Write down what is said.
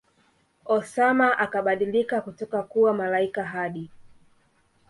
Osama akabadilika kutoka kuwa malaika Hadi